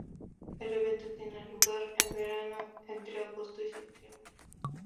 El evento tiene lugar en verano, entre agosto y septiembre.